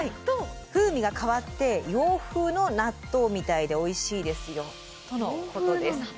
風味が変わって洋風の納豆みたいでおいしいですよとのことです。